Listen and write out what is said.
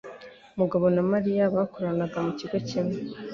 Mugabo na Mariya bakorana mu kigo kimwe.